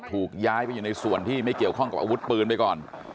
ถูกย้ายไปอยู่ในส่วนที่ไม่เกี่ยวข้องกับอาวุธปืนไปก่อน